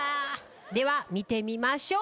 では見てみましょう。